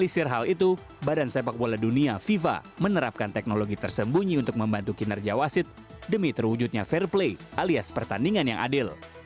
sepak bola berikut ini